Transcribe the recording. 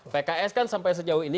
pks kan sampai sejauh ini